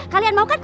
kalian mau kan